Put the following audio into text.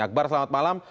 akbar selamat malam